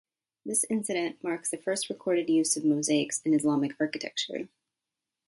This incident marks the first recorded use of mosaics in Islamic architecture.